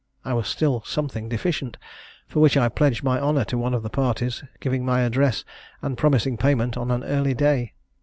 I was still something deficient, for which I pledged my honour to one of the parties, giving my address, and promising payment on an early day.